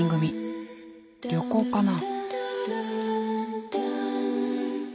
旅行かな？